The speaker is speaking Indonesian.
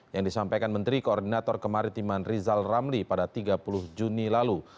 yang disampaikan menteri koordinator kemaritiman rizal ramli pada tiga puluh juni lalu